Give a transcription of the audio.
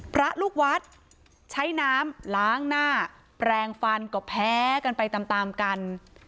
พระลูกวัดใช้น้ำล้างหน้าแปลงฟันก็แพ้กันไปตามตามกัน